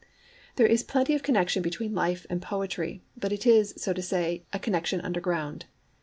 There is plenty of connexion between life and poetry, but it is, so to say, a connexion underground.